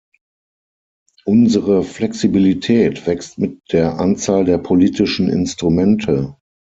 Unsere Flexibilität wächst mit der Anzahl der politischen Instrumente.